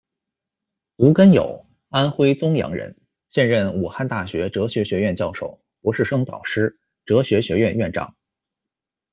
吴根友，安徽枞阳人，现任武汉大学哲学学院教授、博士生导师、哲学学院院长。